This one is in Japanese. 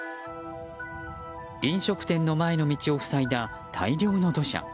飲食店の前の道を塞いだ大量の土砂。